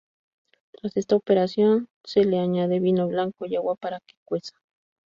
Tras esta operación se le añade vino blanco y agua para que cueza.